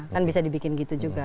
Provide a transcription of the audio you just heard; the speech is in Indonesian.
kan bisa dibikin gitu juga